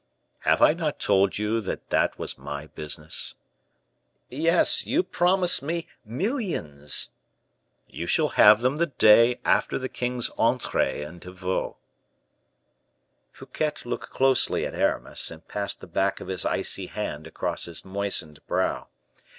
"Have I not told you that was my business?" "Yes, you promised me millions." "You shall have them the day after the king's entree into Vaux." Fouquet looked closely at Aramis, and passed the back of his icy hand across his moistened brow.